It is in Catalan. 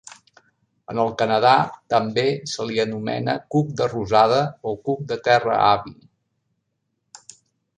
En el Canadà, també se li anomena cuc de rosada, o "Cuc de terra avi".